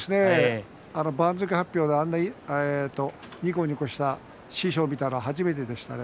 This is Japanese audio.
番付発表であんなににこにこした師匠を見たのは初めてでした。